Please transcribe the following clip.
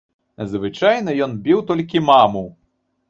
Звычайна, ён біў толькі маму.